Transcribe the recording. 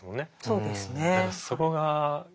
そうですね。